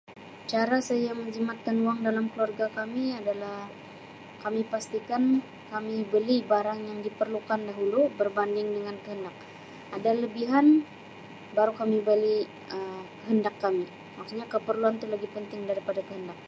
Cara saya menjimatkan wang dalam keluarga kami adalah kami pastikan kami beli barang yang diperlukan dahulu berbanding dengan kehendak, ada kelebihan baru kami beli Um kehendak kami, maksudnya keperluan tu lebih penting daripada kehendak.